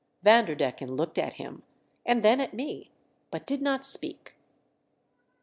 Vanderdecken looked at him and then at me, but did not speak.